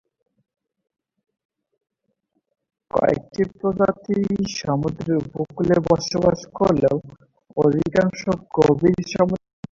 কয়েকটি প্রজাতি সমুদ্র উপকূলে বসবাস করলেও অধিকাংশ গভীর সমুদ্রের উপরের তলে বসবাস করে।